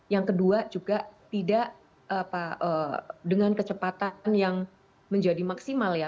yang kedua juga tidak dengan kecepatan yang menjadi maksimal ya